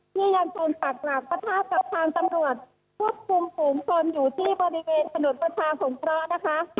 ที่ยังจนปากหลักประทาบกับทางตำรวจควบคุมภูมิคนอยู่ที่บริเวณสนุนประชาสงคร้อนนะคะ